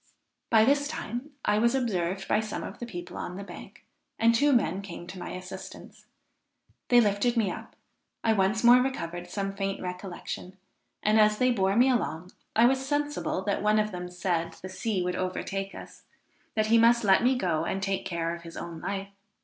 By this time I was observed by some of the people on the bank, and two men came to my assistance. They lifted me up; I once more recovered some faint recollection; and, as they bore me along, I was sensible that one of them said the sea would overtake us; that he must let me go and take care of his own life.